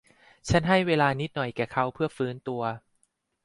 ฉันให้เวลานิดหน่อยแก่เขาเพื่อฟื้นตัว